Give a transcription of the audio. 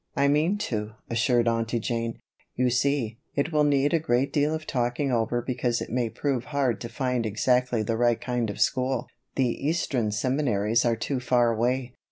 "I mean to," assured Aunty Jane. "You see, it will need a great deal of talking over because it may prove hard to find exactly the right kind of school. The eastern seminaries are too far away.